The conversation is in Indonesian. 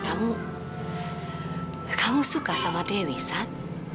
kamu kamu suka sama dewi sat